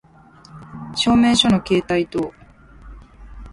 証明書の携帯等